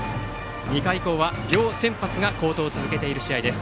２回以降は両先発が好投を続けている試合です。